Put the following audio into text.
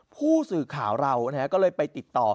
ผู้สื่อข่าวเราก็เลยไปติดต่อ